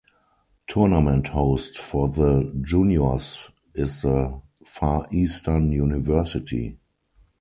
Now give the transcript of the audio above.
Tournament host for the juniors is the Far Eastern University.